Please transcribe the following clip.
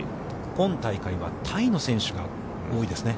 今大会はタイの選手が多いですね。